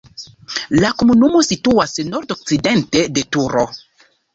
La komunumo situas nordokcidente de Turo.